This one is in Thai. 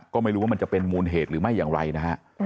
ก็ไม่รู้ว่ามันจะเป็นมูลเหตุหรือไม่อย่างไรนะฮะ